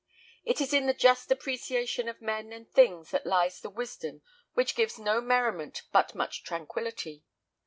It is in the just appreciation of men and things that lies the wisdom which gives no merriment but much tranquillity.